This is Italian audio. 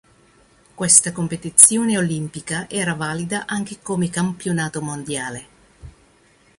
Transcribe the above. Questa competizione olimpica era valida anche come Campionato mondiale.